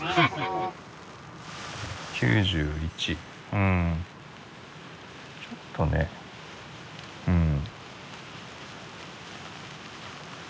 うんちょっとねうん。